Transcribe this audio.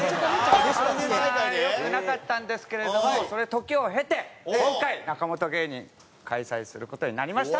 あんまり良くなかったんですけれどもそれで時を経て今回中本芸人開催する事になりました！